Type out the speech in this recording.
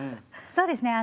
そうですね